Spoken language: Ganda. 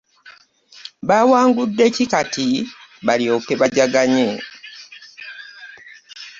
Baawangudde ki kati balyoke bajaganye?